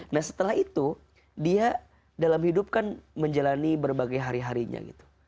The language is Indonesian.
nah setelah itu dia dalam hidup kan menjalani berbagai hari harinya gitu